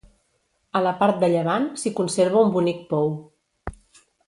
A la part de llevant s'hi conserva un bonic pou.